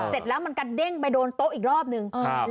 เสร็จแล้วมันกระเด้งไปโดนโต๊ะอีกรอบนึง